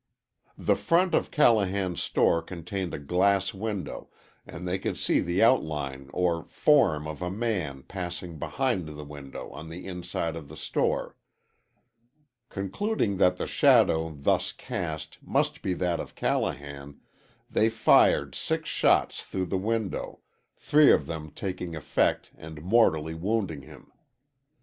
The front of Callahan's store contained a glass window, and they could see the outline or form of a man passing behind the window on the inside of the store. Concluding that the shadow thus cast must be that of Callahan, they fired six shots through the window, three of them taking effect and mortally wounding him.